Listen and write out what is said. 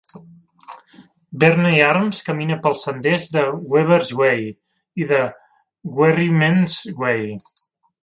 Berney Arms camina pels senders de Weavers' Way i de Wherryman's Way.